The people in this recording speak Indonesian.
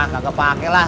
gak kepake lah